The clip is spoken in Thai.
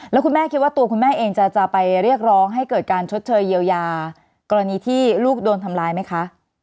แล้วคุณแม่คิดว่าตัวคุณแม่เองจะไปเรียกร้องให้เกิดการชดเชยเยียวยากรณีที่ลูกโดนทำร้ายไหมคะ